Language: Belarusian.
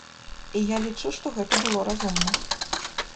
І я лічу, што гэта было разумна.